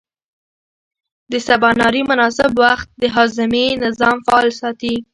د سباناري مناسب وخت د هاضمې نظام فعال ساتي.